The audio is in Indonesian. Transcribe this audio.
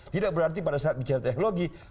tidak berarti pada saat bicara teknologi